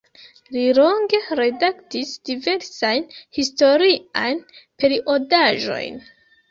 Li longe redaktis diversajn historiajn periodaĵojn.